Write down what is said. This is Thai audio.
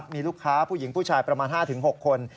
มีลูกค้าผู้หญิงผู้ชายประมาณ๕๖คน